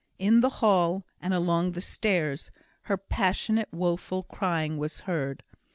In the hall, and along the stairs, her passionate woeful crying was heard.